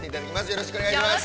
よろしくお願いします。